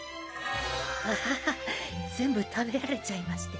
アハハ全部食べられちゃいまして。